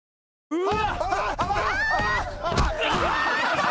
うわ！